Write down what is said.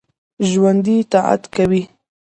ژوندي طاعت کوي